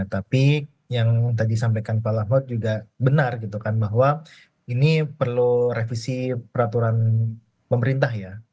tapi yang tadi sampaikan pak lamod juga benar gitu kan bahwa ini perlu revisi peraturan pemerintah ya